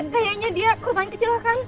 kayaknya dia kurban kecelakaan